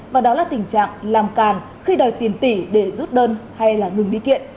và đó là tình trạng làm càn khi đòi tiền tỷ để rút đơn hay là ngừng đi kiện